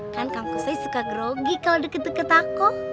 kan kang kusoy suka grogi kalo deket deket aku